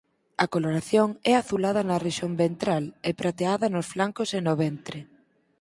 A coloración é azulada na rexión ventral e prateada nos flancos e no ventre.